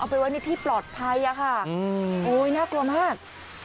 คือว่านี่ที่ปลอดภัยโอ๊ยน่ากลัวมาก